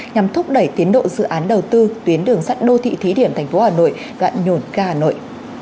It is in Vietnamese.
nhằm thúc đẩy tiến độ dự án đầu tư tuyến đường sắt đô thị thí điểm thành phố hà nội gạn nhổn ca hà nội